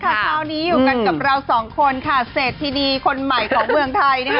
คราวนี้อยู่กันกับเราสองคนค่ะเศรษฐินีคนใหม่ของเมืองไทยนะคะ